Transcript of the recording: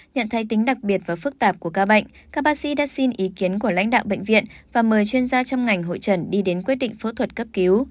nhận thấy tính đặc biệt và phức tạp của ca bệnh các bác sĩ đã xin ý kiến của lãnh đạo bệnh viện và mời chuyên gia trong ngành hội trần đi đến quyết định phẫu thuật cấp cứu